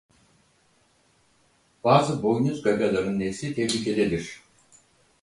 Bazı boynuzgagaların nesli tehlikededir.